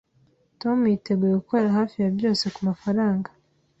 Tom yiteguye gukora hafi ya byose kumafaranga